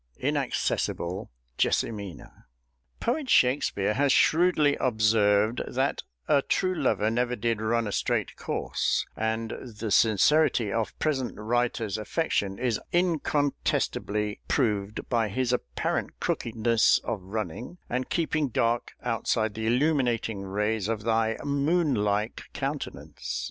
INACCESSIBLE JESSIMINA! Poet SHAKSPEARE has shrewdly observed that "a true lover never did run a straight course," and the sincerity of present writer's affection is incontestably proved by his apparent crookedness of running, and keeping dark outside the illuminating rays of thy moon like countenance.